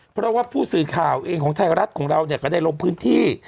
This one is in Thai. เพราะว่าผู้สื่อข่าวเองของไทยรัฐของเราเนี่ยก็ได้ลงพื้นที่